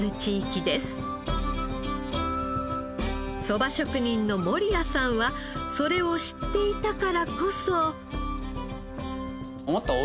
そば職人の守屋さんはそれを知っていたからこそ。